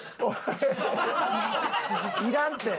いらんて！